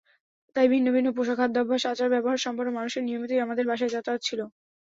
তাই ভিন্ন ভিন্ন পোশাক, খাদ্যাভ্যাস, আচার-ব্যবহারসম্পন্ন মানুষের নিয়মিতই আমাদের বাসায় যাতায়াত ছিল।